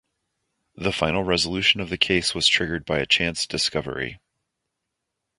The final resolution of the case was triggered by a chance discovery.